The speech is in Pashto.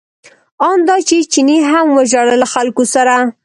ان دا چې چیني هم وژړل له خلکو سره.